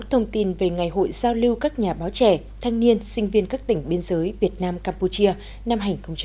thông tin về ngày hội giao lưu các nhà báo trẻ thanh niên sinh viên các tỉnh biên giới việt nam campuchia năm hai nghìn một mươi chín